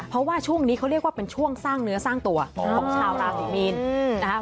เพราะว่าช่วงนี้เขาเรียกว่าเป็นช่วงสร้างเนื้อสร้างตัวของชาวราศรีมีนนะครับ